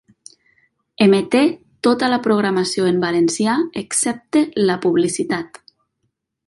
Emeté tota la programació en valencià, excepte la publicitat.